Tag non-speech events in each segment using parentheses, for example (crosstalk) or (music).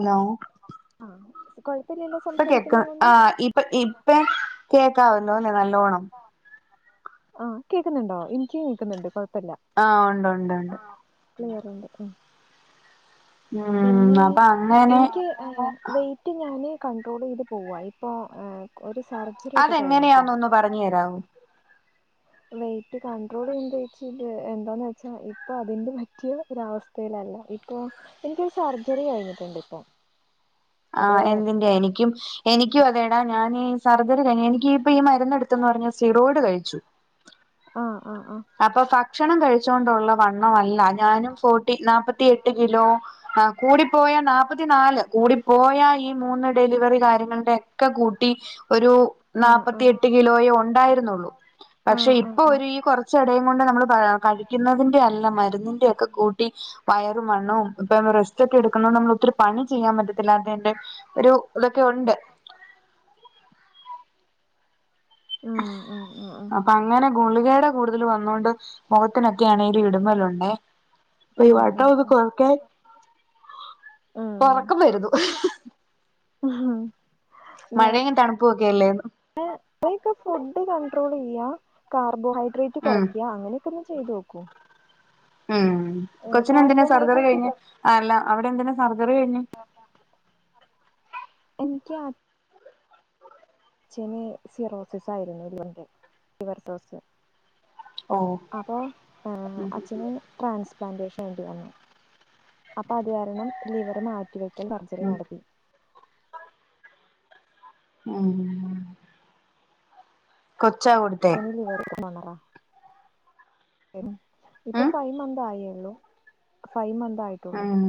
Hello ആഹ് കൊഴപ്പില്ലല്ലോ ഇപ്പൊ സംസാരിക്കുന്ന കേക്ക ആ കൊണ്ട് ഇപ്പ ഇപ്പം കേക്കാവല്ലോ അല്ലെ നല്ലോണം ആ കേക്കുന്നുണ്ടോ എനിക്കും കേൾക്കുന്നുണ്ട് കുഴപ്പമില്ല ആ ഉണ്ട് ഉണ്ട് ഉണ്ട് ക്ലിയറുണ്ട് അ ഉം പിന്നെ അപ്പൊ അങ്ങനെ എനിക്ക് വെയിറ്റ് ഞാന് കട്രോൾ ചെയ്ത് പോവ ഇപ്പ ഒരു സർ- അതെങ്ങനെയാനൊന്ന് പറഞ്ഞു തരാമോ വെറ്റ് കണ്ട്രോൾ ചെയ്യുന്നത് വച്ചത് എന്താന്ന് വെച്ചാ ഇപ്പൊ അതിന്റെ പറ്റിയ ഒരവസ്ഥ യിലല്ല ഇപ്പൊ എനിക്കരു സർജറി കഴിഞ്ഞിട്ടുണ്ട് ഇപ്പൊ അത് ആഹ് എന്തിന്റെ എനിക്കും എനിക്കും അതേടാ ഞാനീ സർജറി കഴിഞ്ഞ എനിക്ക് ഇപ്പ ഈ മരുന്ന് എടുത്തന്ന് പറഞ്ഞ സ്റ്റിറോയ്ഡ് കഴിച്ചു അഹ് അഹ് ആഹ് അപ്പൊ ഭക്ഷണം കഴിച്ചോണ്ടുള്ള വണ്ണംമല്ല ഞാനും ഫോർട്ടി നാല്പ്പത്തി എട്ട് കിലോ ആഹ് കൂടിപ്പോയ നാല്പ്പത്തി നാല് കൂടിപ്പോയ ഈ മൂന്ന് ഡെലിവറി കാര്യങ്ങളുടെ ഒക്കെ കൂട്ടി ഒരു ആഹ് ആഹ് ആഹ് നാപ്പത്തിയെട്ട് കിലോയേ ഉണ്ടായിരുന്നുള്ളൂ പക്ഷെ ആഹ് ആഹ് ഇപ്പൊ ആഹ് ഒരു ഈ കുറ ച്ചടയും കൊണ്ട് നമ്മള് കഴിക്കുന്നതിന്റെ അല്ല മരുന്നിന്റെ ഒക്കെ കൂട്ടി വയറും വണ്ണവും ഇപ്പൊ റെസ്റ്റ് ഒക്കെ എടുക്കുന്നുന്നത് കൊണ്ട് നമ്മള ഒത്തിരി പണി ചെയ്യാൻ പറ്റത്തില്ലാ അതെന്റെ ഒരു ഇതൊക്കെ ഉണ്ട് അ ഉം ഉം ഉം ഉം അപ്പൊ അങ്ങനെ ഗുളികേട കൂടുതൽ വന്നൊണ്ട് മുഖത്തിനൊക്കെയാണെങ്കി ഒരു ഇടുമ്മലുണ്ടെ അപ്പൊ ഉം ഉം വട്ടക്കെ ഉം കൊറക്കാൻ ഉറക്കം വരുന്നു അഹ മഴയെങ്ങും തണുപ്പും ഒക്കെ അല്ലേ ന്ന് (unintelligible) ഫുഡ് കണ്ട്രോൾ ചെയ്യ കാർബോഹൈഡ്രേറ്റ് ഉം കുറയ്ക്ക അങ്ങനെ ഇപ്പൊന്ന് ചെയ്ത് നോക്കോ ഉം കൊച്ചിന് എന്തിനാ സർജറി കാർബോഹൈഡ്രേറ്റ് കഴിഞ്ഞ് അല്ല അവിടെ എന്തിനാ സർജറി കഴിഞ്ഞ് എനിയ്ക്കാ ച്ചേന് സിറോസിസ് ആയിരുന്നു ഒരു ലിവർ സിറോസിസ് ഓ അപ്പൊ ആഹ് ഉം അച്ഛന് ട്രാൻസ്പ്ലാന്റേഷൻ വേണ്ടി വന്നു അപ്പൊ അത് കാരണം ലിവർ മാറ്റ് മാറ്റിവെക്കൽ സർജറി ഉം നടത്തി മ്മ് കൊച്ചാ കൊടുത് അച്ഛന് ലിവറ് (unintelligible) ഇപ്പൊ ഉം ഫൈവ് മന്ത് ആയേള്ളൂ ഫൈവ് മന്ത് ആയിട്ടുള്ളൂ ഉം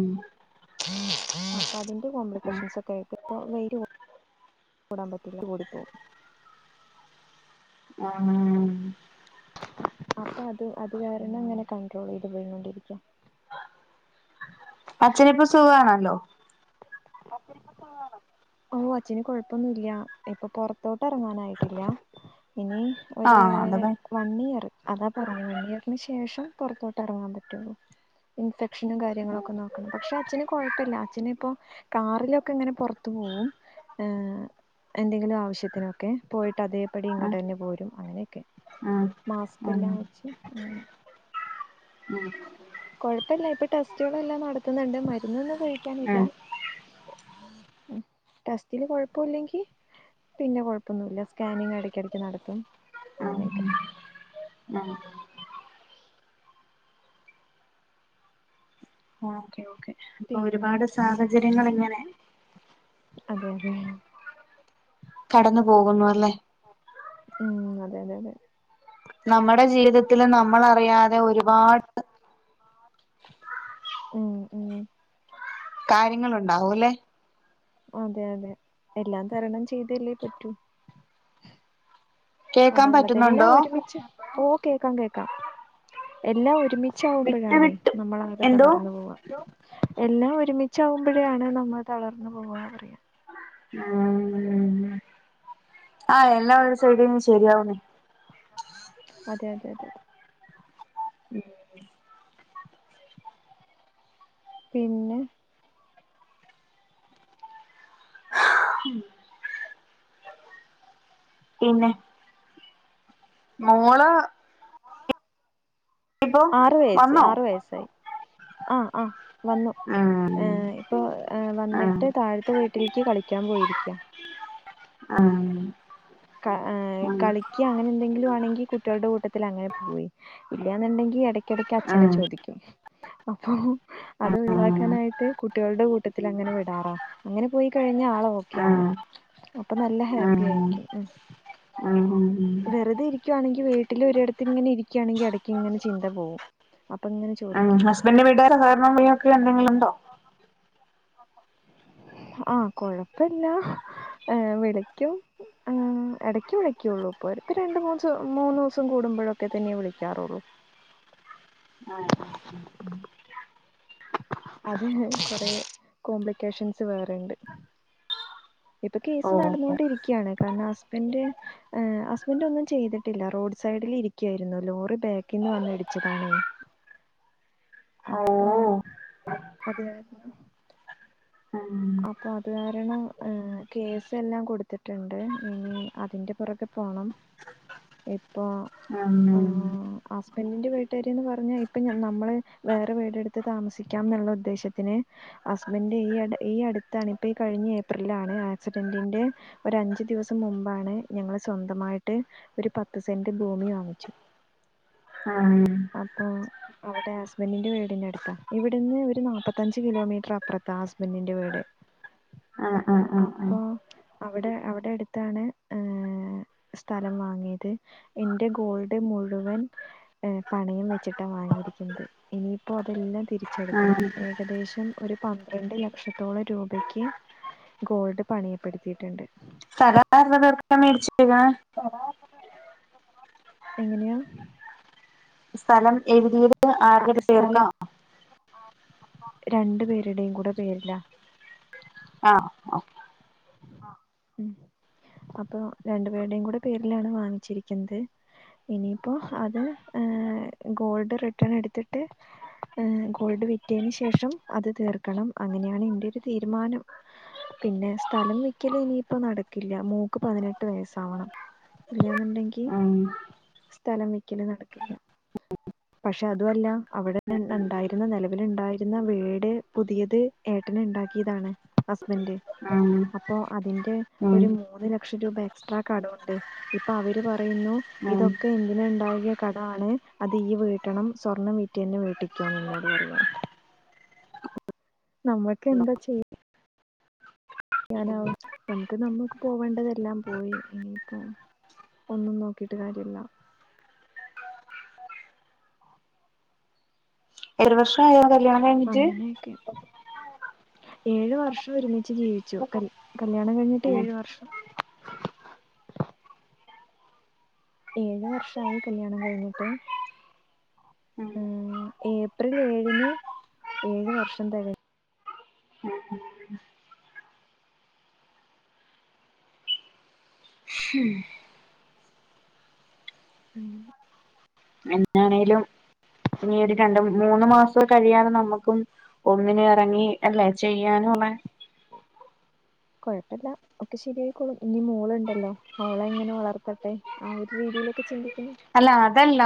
അപ്പൊ അതിന്റെ കോംപ്ലിക്കേഷൻസൊക്കെ ആയിട്ട് അപ്പ വെരോ കൂടാൻ പറ്റില്ല കൂടിപ്പോകും ആഹ് അപ്പൊ അത് അത് കാരണം അങ്ങനെ കണ്ട്രോൾ ചെയ്ത് പോയിണ്ടിരിക്ക അച്ഛനിപ്പൊ സുഖാണല്ലോ അച്ഛനിപ്പോ സുഗാണോ ഓഹ് അച്ഛന് കൊഴപ്പൊന്നുല്യാ ഇപ്പൊ പൊറത്തോട്ട് എറങ്ങാനായിട്ടില്ല ഇനി ഒര് ആഹ് അത് പ വൺ ഇയർ അതാ പറഞ്ഞു വൺ ഇയറിന് ശേഷം പൊറത്തോട്ട് ഇറങ്ങാൻ പറ്റുന്ന് ഇൻഫെക്ഷനും കാര്യങ്ങളൊക്കെ നോക്കണം പക്ഷെ അച്ഛന് കൊഴപ്പല്ല അച്ഛന് ഇപ്പോ കാറിലൊക്കെ ഇങ്ങനെ പുറത്തു പോകും ആഹ് എന്തെങ്കിലും ആവശ്യത്തിനൊക്കെ പോയിട്ട് അതേ പടി ഉം ഇങ്ങട്ടന്നെ പോരും അങ്ങനെക്കെ ഉം മാസ്കെല്ലാം വച്ച് അങ്ങനെ ആഹ് കൊഴപ്പൊല്ല ഇപ്പൊ ടെസ്റ്റുകളല്ലാം നടത്തുന്നുണ്ട് മരുന്നൊന്നും ഉം കഴിക്കാനില്ല ടെസ്റ്റില് കൊഴപ്പൊലെങ്കി പിന്നെ കുഴപ്പമൊന്നുല്ല സ്കാനിങ് ഇടയ്ക്കിടയ്ക്ക് നടത്തും അങ്ങനെയൊക്കെ ആഹ് ഓക്കേ ഓക്കേ അപ്പൊ പിന്നെ ഒരുപാട് സാഹചര്യങ്ങളിങ്ങനെ അതെ അതെ കടന്നു പോകുന്നു അല്ലേ മ്മ്ഹ് അതെ അതെ അതെ നമ്മടെ ജീവിതത്തിൽ നമ്മളറിയാതെ ഒരുപാട് മ്മ്ഹ് മ്മ്ഹ് കാര്യങ്ങളുണ്ടാവൂല്ലേ അതെ അതെ എല്ലാം തരണം ചെയ്തല്ലേ പറ്റു കേക്കാൻ അതള്ളത് പറ്റുന്നുണ്ടോ എല്ലാം ഒരുമിച്ച് ഓഹ് കേക്കാം കേക്കാം എല്ലാം ഒരുമി വിട്ട് ച്ചാവുമ്പഴാണേ വിട്ട് നമ്മളാകെ എന്തോ തളർന്നു പോവാ എല്ലാ ഒരുമിച്ചാവുമ്പഴാണ് നമ്മള് തളർന്നു പോവാ പറയാ ആഹ് ആഹ് എല്ലാം ഒരു സൈടീന്ന് ശരിയാവൂന്നേ അതെ അതെ അതെ അതെ പിന്നെ പിന്നെ മോള് ഇപ്പൊ ആറു വയസ്സ് വന്നോ ആറു വയസ്സായി ആഹ് ആഹ് വന്നു ഉം ഏഹ് ഇപ്പോ ഉം വന്നിട്ട് താഴ ത്ത വീട്ടിൽക്ക് കളിക്കാൻ പോയിരിക്ക ആഹ് ക ഏഹ് കളി ക്ക്യാ അങ്ങനെ എന്തെങ്കിലും ആണെങ്കി കുട്ടികളുടെ കൂട്ടത്തിൽ അങ്ങനെ പോയി ഇല്ലാന്നെണ്ടെങ്കി ഇടയ്ക്കിടയ്ക്ക് ഉം അച്ഛനെ ചോദി ക്കും അപ്പൊ അത് ഒഴിവാക്കാനായിട്ട് കുട്ടികളുടെ കൂ ട്ടത്തിലങ്ങനെ വിടാറാ അങ്ങനെ പോയി കഴിഞ്ഞ ആള് ഓക്കെയാണ് അപ്പൊ നല്ല ഹാപ്പി ആയി ആഹ് ആഹ് ആഹ് വെറുതെ ഇരിക്കുവാണെങ്കി വീട്ടിൽ ഒരിടത്ത് ഇങ്ങനെ ഇരിക്കാണെങ്കി എടക്ക് ഇങ്ങനെ ചിന്ത പോവും അപ്പൊങ്ങിനെ ചോ ആഹ് ഹസ്ബൻന്റെ വീട്ടാര് (unintelligible) ഇയാക്ക് എന്തെങ്കിലും ഉണ്ടോ ആഹ് കൊഴപ്പില്ല ഏഹ് വിളിക്കും ആഹ് എടക്ക് വിളിക്കുള്ളൂ ഇപ്പൊ രണ്ട് മൂന്ന്സ് മൂന്ന് ദിവസം കൂടുമ്പൊഴൊക്കെ തന്നെ വിളിക്കാറുള്ളൂ ആഹ് ആഹ് ആഹ് ആഹ് അതിന് കൊറേ കോംപ്ലിക്കേഷൻസ് വേറെണ്ട് ഇപ്പ ഓ കേസ് നടന്നുകൊണ്ടിരിക്കയാണ് കാരണം ഹസ്ബന്റ് ഏഹ് ഹസ്ബന്റൊന്നും ചെയ്തിട്ടില്ല റോഡ് സൈഡിലിരിക്കയായിരുന്നു ലോറി ബാക്കീന്ന് വന്ന് ഇടിച്ചതാണേ ഓ അപ്പോ അത്കാരണം അപ്പൊ അത് കാരണം എഹ് കേസ് എല്ലാം കൊടുത്തിട്ടിണ്ട് ഇനി അതിന്റെ പുറകെ പോണം ഇപ്പോ ഉം ഉം ആഹ് ഹസ്ബൻഡിന്റെ വീട്ടുകാര്ന്ന് പറഞ്ഞാ ഇപ്പ ഞ നമ്മള് വേറെ വീടെടു ത്ത് താമസിക്കാം എന്നുള്ള ഉദ്ദേശത്തിന് ഹസ്ബന്റ് ഈയെടെ ഈ അടുത്താണിപ്പ ഈ കഴിഞ്ഞ ഏപ്രിലാണ് ആക്സിഡന്റിൻ്റെ ഒരഞ്ചു ദിവസം മുമ്പാണ് ഞങ്ങള് സ്വന്തമായിട്ട് ഒരു പത്ത് സെന്റ് ഭൂമി വാങ്ങിച്ചു. ആഹ് അപ്പോ അവിടെ ഹസ്ബൻഡന്റിന്റെ വീടിനടുത്താ ഇവിടുന്ന് ഒരു നാപ്പത്തഞ്ച് കിലോമീറ്റർ അപ്പുറത്ത ഹസ് ബന്റിന്റെ വീട് ആഹ് ആഹ് ആഹ് ആഹ് അപ്പൊ അവിടെ അവിടെ അടുത്താണ് ഏഹ് സ്ഥലം വാങ്ങിയത്. ഇന്റെ ഗോൾഡ് മുഴുവൻ എഹ് പണയം വെച്ചിട്ടാ വാങ്ങിയിരിക്കുന്നത് ഇനിയിപ്പോ അതെല്ലാം തിരി ച്ചെടുക്കണം ഉം ഏകദേശം ഒരു പന്ത്രണ്ട് ല ക്ഷത്തോളം രൂപക്ക് ഗോൾഡ് പണയപ്പെടുത്തിയിട്ടുണ്ട് സ്ഥലം ആരെടെ പേർക്കാ മേടിച്ചിട്ടേക്കണെ? എങ്ങിനെയാ? സ്ഥലം എഴുതിയത് ആരുടെ ആഹ് പേർക്കാ സ്ഥലം രണ്ടു പേരുടെയും കൂടെ പേരില ആഹ് ഓ അ ഉം അപ്പൊ രണ്ടു പേരുടെയും കൂടെ പേരിലാണ് വാങ്ങിച്ചിരിക്കുന്നത് ഇനിയിപ്പോ അത് ഹേ ഗോൾഡ് റിട്ടേൺ എടുത്തിട്ട് ഏ ഗോൾഡ് വിറ്റതിന് ശേഷം അത് തീർക്കണം അങ്ങനെയാണ് എന്റെ ഒരു തീരുമാനം പിന്നെ സ്ഥലം വിക്കല് ഇനിയിപ്പോ നടക്കില്ല മോൾക് പതിനെട്ട് വയസ്സാവണം ഇല്ലയെന്നുണ്ടെങ്കി ഉം സ്ഥലം വിക്കല്നടക്കില്ല. പക്ഷെ അതുഅല്ല അവിടെ ഉണ്ടായിരുന്ന നെലവിൽ ഉണ്ടായിരുന്ന വീട് പുതിയത് ഏട്ടന് ഉണ്ടാക്കിയതാണ് ഹസ്ബന്ഡ് ഉം അപ്പോ അതിന്റെ ഉം ഒരു മൂന്ന് ലക്ഷം രൂപ എക്സ്ട്രാ കടുണ്ട് ഇപ്പൊ അവര് പറയുന്നു ഉം ഇതൊക്കെ എന്തിന ഉണ്ടാകിയ കട ആണ് അത ത് ഇയ്യ് വീട്ടണം സ്വർണം വിട്ട്തന്നെ വേട്ടിക്കോന്ന് എന്നോട് പറയാം നമ്മുക്ക് എന്താ ചെയ്യ ചെയ്യാനാവും നമുക്ക് നമ്മുക്ക് പോകേണ്ടതെല്ലാം പോയി ഇനിയിപ്പോ ഒന്നും നോക്കിയിട്ട് കാര്യ ഇല്ല്യ. ഏഴു വർഷ ആയോ കല്യാണം കഴഞ്ഞിട്ട്? (unintelligible) ഏഴു വർഷം ഒരുമിച്ച് ജീവിച്ചു കല്യാണം കഴിഞ്ഞിട്ട് ഉം ഏഴു വർഷം ഏഴു വർഷായി കല്യാണം കഴിഞ്ഞിട്ട് ളം ഏപ്രിൽ ഏഴിന് ഏഴ് വർഷം തകൻ ഉം എാന്നണേലും ഇനി ഒരു രണ്ട് മൂന്ന് മാസം കഴിയാതെ നമ്മുക്കും ഒന്നിന് ഇറങ്ങി അല്ലേ ചെയ്യാനും ഉള്ള ശ (unintelligible) കൊഴപ്പല്ല്യ ഒക്കെ ശരിയായിക്കോളും ഇനി മോളുണ്ടല്ലോ അവളെ എങ്ങനെ വളർത്തട്ടെ ആ ഒരു രീതിയിലൊക്കെ ചിന്തിക്കുന്നു അല്ല അതല്ല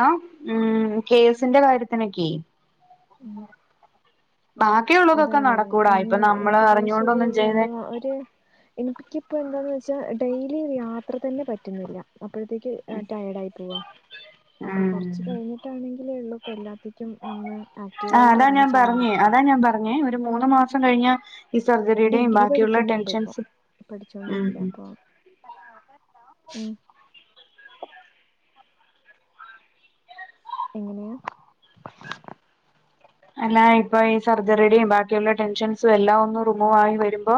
ഉം കേസിന്റെ കാര്യത്തിനൊക്കെ (inaudible) ബാ അതാണ് ഏകദേശം ഒരു അറിഞ്ഞോണ്ടൊന്നും രണ്ട് ചെയ്തെ മാ ഒരു എനിക്കിപ്പോ എന്താന്ന് വെച്ചാ ഡെയിലി യാത്ര തന്നെ പറ്റുന്നില്ല അപ്പോഴത്തേക്ക് ടയേർഡ് ആയി പോവാ അപ്പൊ കുറച്ച ഉം കഴിഞ്ഞിട്ടാണെങ്കിൽ ഉള്ളൂ ഇപ്പ എല്ലാത്തേക്കും ഒന്ന് ആക്റ്റീവ് ആയിട്ട് ഇറങ്ങി ചെല്ലാൻ പറ്റൂ അങ്ങനെ ഒരു മൂന്ന് മാസം കഴിഞ്ഞ ഈ സർജറിയുടെയും ഡിഗ്രി ബാക്കിയുള്ള പഠിക്കുന്നുണ്ട് ഇപ്പൊ ടെൻഷൻസും ഉം പഠിച്ചോണ്ടിരിക്ക ഉം അപ്പൊ ഉം എങ്ങനെയാ അല്ലാ ഇപ്പൊ ഈ സർജറിയും ബാക്കിയുള്ള ടെൻഷൻസും എല്ലാം ഒന്നും റിമൂവ് ആയി വരുമ്പോ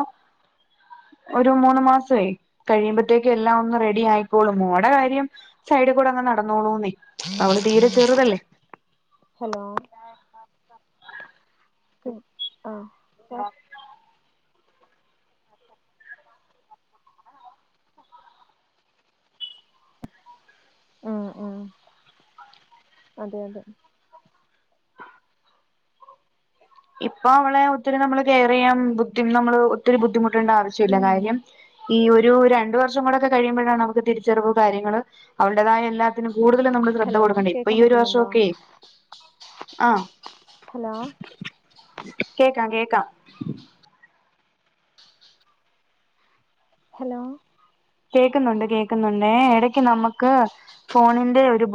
ഒരു മൂന്ന് മാസമായി കഴിയുമ്പോത്തേക്ക് എല്ലാം ഒന്ന് റെഡി ആയിക്കോളും മോൾടെ കാര്യം സൈഡ് കൂടെ അങ്ങ് നടന്നോളൂന്നേ അ അവള് തീരെ ചെറുതല്ലേ ഹലോ ആഹ ആ ആ അതെ അതെ ഇപ്പൊ അവളെ ഒത്തിരി നമ്മള് കെയർ ചെയ്യാൻ ബുദ്ധി നമ്മള് ഒത്തിരി ബുദ്ധിമുട്ടണ്ട ആവശ്യമില്ല പിന്നെ കാര്യം ഈ ഒരു രണ്ട വർഷം കഴിയുമ്പോഴാണ് നമുക്ക് തിരിച്ചറിവ് കാര്യങ്ങൾ അവരുടതായ എല്ലാ അതിന് കൂടുത നമ്മ ശ്രദ്ധ ഹലോ കൊടുക്കണ്ട ഇപ്പൊ കേക്കാൻ ഈ ഒരു വർഷം പറ്റുന്നുണ്ടോ ഒക്കെ ഹലോ കേക്കാം കേക്കാം ഹലോ കേൾക്കുന്നുണ്ട് കേൾക്കുന്നുണ്ട് ഇടക്ക് നമുക്ക് ഫോണിന്റെ ഒരു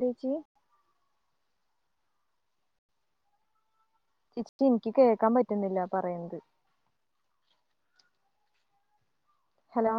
എന്ത് ചേച്ചി ജസ്റ്റ്‌ എനിക്ക് കേൾക്കാൻ പറ്റുന്നില്ല പറയുന്നത് ഹലോ